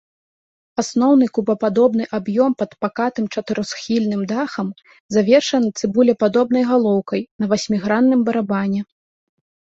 Асноўны кубападобны аб'ём пад пакатым чатырохсхільным дахам завершаны цыбулепадобнай галоўкай на васьмігранным барабане.